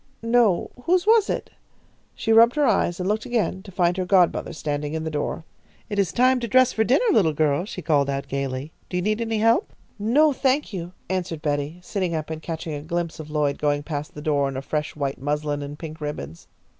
No, whose was it? She rubbed her eyes and looked again, to find her godmother standing in the door. "It is time to dress for dinner, little girl," she called, gaily. "Do you need any help?" "No, thank you," answered Betty, sitting up and catching a glimpse of Lloyd going past the door in a fresh white muslin and pink ribbons.